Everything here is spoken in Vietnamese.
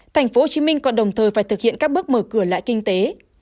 tp hcm còn đồng thời phải thực hiện các bước mở cửa lại kinh tế